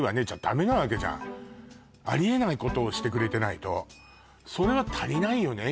ダメなわけじゃんありえないことをしてくれてないとそれが足りないよね